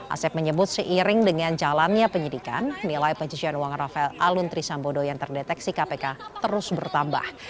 asep menyebut seiring dengan jalannya penyidikan nilai pencucian uang rafael alun trisambodo yang terdeteksi kpk terus bertambah